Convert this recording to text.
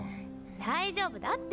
大丈夫だって。